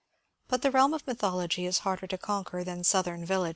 But the realm of mythology is harder to conquer than Southern villages.